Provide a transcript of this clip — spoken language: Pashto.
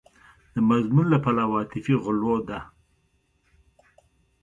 د مضمون له پلوه عاطفي غلوه ده.